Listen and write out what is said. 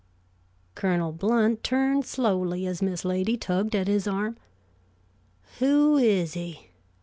Colonel Blount turned slowly as Miss Lady tugged at his arm. "Who is he?"